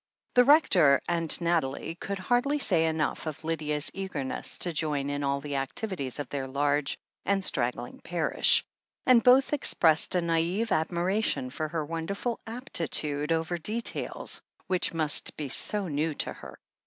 The Rector and Nathalie could hardly say enough of Lydia's eagerness to join in all the activities of their large and straggling parish, and both expressed a naive admiration for her wonderful aptitude over details which must be so new to her.